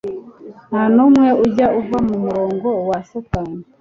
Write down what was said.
Nta numwe ujya uva mu murongo wa Satani